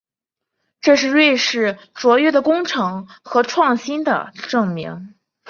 这是瑞士卓越的工程和创新的证明。